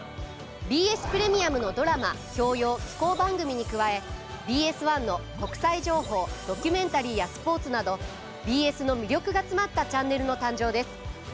ＢＳプレミアムのドラマ教養紀行番組に加えＢＳ１の国際情報ドキュメンタリーやスポーツなどＢＳの魅力が詰まったチャンネルの誕生です。